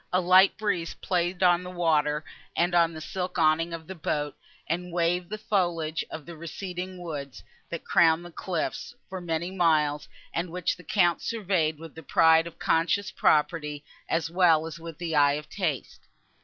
A light breeze played on the water, and on the silk awning of the boat, and waved the foliage of the receding woods, that crowned the cliffs, for many miles, and which the Count surveyed with the pride of conscious property, as well as with the eye of taste.